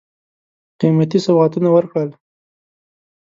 قېمتي سوغاتونه ورکړل.